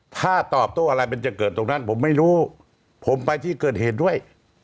ถ้าตอบโต้อะไรมันจะเกิดตรงนั้นผมไม่รู้ผมไปที่เกิดเหตุด้วย